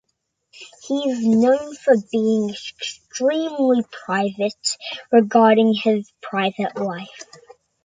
He is known for being extremely private regarding his private life.